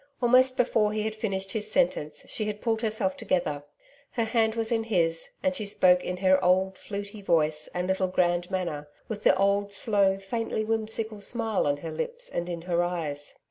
Almost before he had finished his sentence she had pulled herself together. Her hand was in his, and she spoke in her old fluty voice and little grand manner, with the old slow, faintly whimsical smile on her lips and in her eyes.